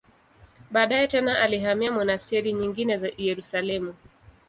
Baadaye tena alihamia monasteri nyingine za Yerusalemu.